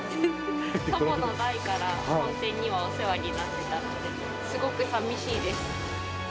祖母の代から本店にはお世話になっていたので、すごく寂しいです。